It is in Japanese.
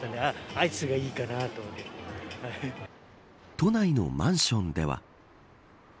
都内のマンションでは。